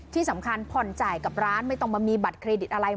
ที่สำคัญผ่อนจ่ายกับร้านไม่ต้องมามีบัตรเครดิตอะไร